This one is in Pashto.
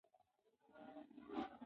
که قالب وي نو خښته نه کږیږي.